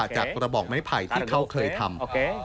กระบอกไม้ไผ่ที่เขาเคยทำ